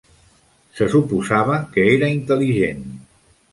Se suposava que era intel·ligent.